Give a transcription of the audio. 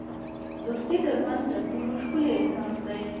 دوستي د ژوند تر ټولو ښکلی احساس دی.